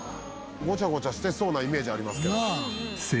ごちゃごちゃしてそうなイメージありますけど。